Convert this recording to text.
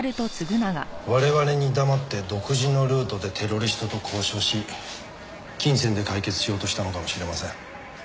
我々に黙って独自のルートでテロリストと交渉し金銭で解決しようとしたのかもしれません。